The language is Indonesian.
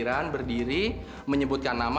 bergiliran berdiri menyebutkan nama